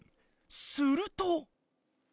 すると。